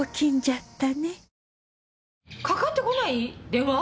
電話。